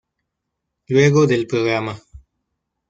Luego del programa.